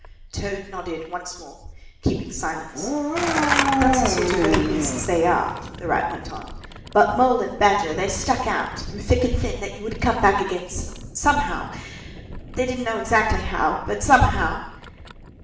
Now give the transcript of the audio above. Toad nodded once more, keeping silence. "That's the sort of little beasts they are," the Rat went on. "But Mole and Badger, they stuck out, through thick and thin, that you would come back again soon, somehow. They didn't know exactly how, but somehow!"